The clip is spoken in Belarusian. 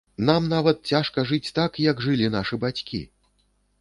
Нам нават цяжка жыць так, як жылі нашы бацькі.